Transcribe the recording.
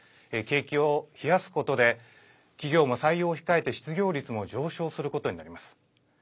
景気を冷やすことで企業も採用を控えて失業率も上昇することになります。